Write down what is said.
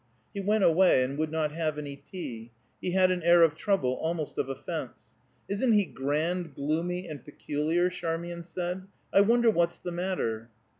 He went away and would not have any tea; he had an air of trouble almost of offence. "Isn't he grand, gloomy and peculiar?" Charmian said. "I wonder what's the matter?"